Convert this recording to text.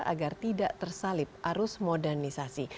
agar tidak tersalip arus modernisasi